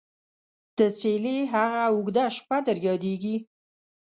دڅيلې هغه او ژده شپه در ياديژي ?